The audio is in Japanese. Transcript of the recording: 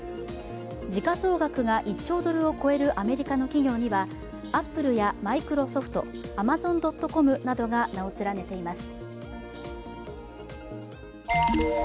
時価総額が１兆ドルを超えるアメリカの企業にはアップルやマイクロソフトアマゾン・ドット・コムなどが名を連ねています。